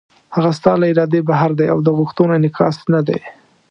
هغه ستا له ارادې بهر دی او د غوښتنو انعکاس نه دی.